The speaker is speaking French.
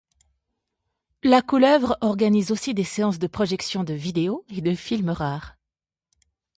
La couleuvre organise aussi des séances de projections de vidéos et de films rares.